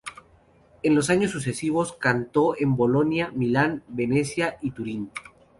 En los años sucesivos cantó en Bolonia, Milán, Venecia y Turín.